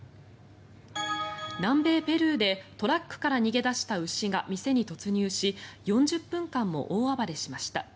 南米ペルーでトラックから逃げ出した牛が店に突入し４０分間も大暴れしました。